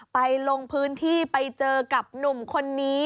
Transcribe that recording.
ลงพื้นที่ไปเจอกับหนุ่มคนนี้